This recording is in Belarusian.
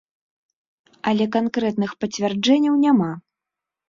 Але канкрэтных пацвярджэнняў няма.